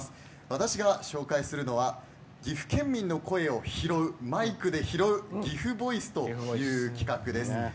私が紹介するのは岐阜県民の声をマイクで拾う「ぎふボイス」という企画です。